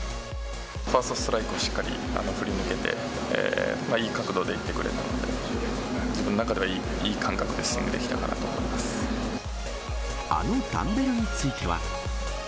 ファーストストライクをしっかり振り抜けて、いい角度で行ってくれたので、自分の中ではいい感覚でスイングあのダンベルについては。